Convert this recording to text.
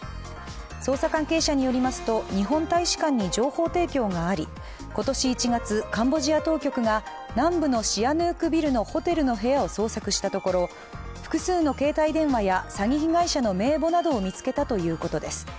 捜査関係者によりますと、日本大使館に情報提供があり今年１月、カンボジア当局が南部のシアヌークビルのホテルの部屋を捜索したところ、複数の携帯電話や詐欺被害者の名簿などを見つけたということです。